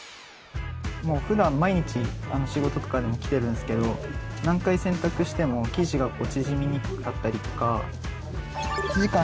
普段、毎日仕事とかでも着てるんですけど何回洗濯しても生地が縮みにくかったりとか生地感